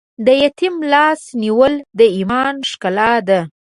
د یتیم لاس نیول د ایمان ښکلا ده.